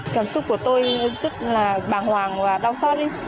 cảm xúc của tôi rất là bàng hoàng và đau khoát